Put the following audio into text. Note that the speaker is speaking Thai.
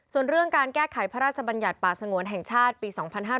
ส่วนเรื่องการแก้ไขพระราชบัญญัติป่าสงวนแห่งชาติปี๒๕๕๙